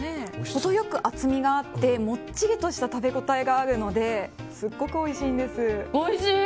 程良く厚みがあってもっちりとした食べ応えがあるのですっごくおいしいんです。